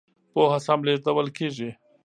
پوهه سم لېږدول کېږي.